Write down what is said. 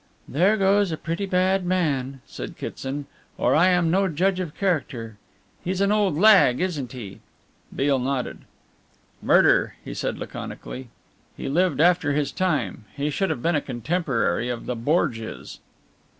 "There goes a pretty bad man," said Kitson, "or I am no judge of character. He's an old lag, isn't he?" Beale nodded. "Murder," he said laconically. "He lived after his time. He should have been a contemporary of the Borgias."